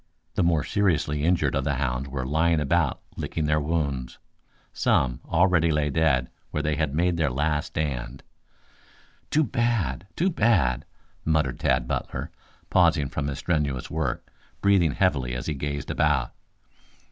The more seriously injured of the hounds were lying about licking their wounds. Some already lay dead where they had made their last stand. "Too bad, too bad!" muttered Tad Butler, pausing from his strenuous work, breathing heavily as he gazed about.